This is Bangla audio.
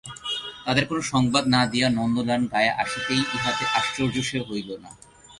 তাদের কোনো সংবাদ না দিয়া নন্দলাল গায়ে আসিতেছে ইহাতে আশ্চর্যও সে হইল না।